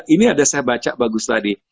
ini ada saya baca bagus tadi